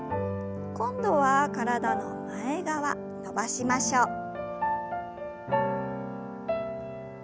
今度は体の前側伸ばしましょう。